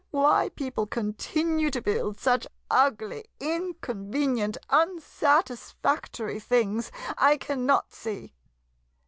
Why people continue to build such ugly, in convenient, unsatisfactory things, I cannot see.